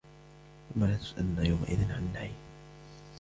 ثم لتسألن يومئذ عن النعيم